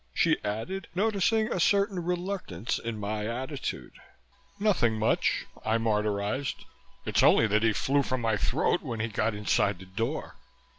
she added, noticing a certain reluctance in my attitude. "Nothing much," I martyrized. "It's only that he flew for my throat when he got inside the door."